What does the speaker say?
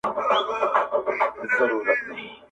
موږ به د مور اړوند څه ولیکو ؟